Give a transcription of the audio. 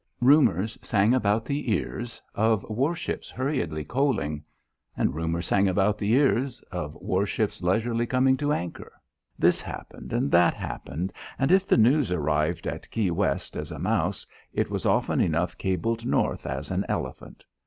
Rumours sang about the ears of warships hurriedly coaling. Rumours sang about the ears of warships leisurely coming to anchor. This happened and that happened and if the news arrived at Key West as a mouse, it was often enough cabled north as an elephant.